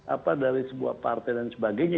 apa dari sebuah partai dan sebagainya